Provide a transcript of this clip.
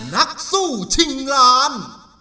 นักสู้ชิงล้าน